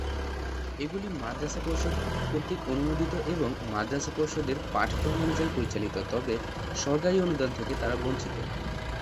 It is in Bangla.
এগুলি মাদ্রাসা পর্ষদ কর্তৃক অনুমোদিত এবং মাদ্রাসা পর্ষদের পাঠক্রম অনুযায়ী পরিচালিত, তবে সরকারি অনুদান থেকে তারা বঞ্চিত।